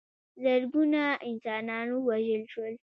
زرګونه انسانان ووژل شول.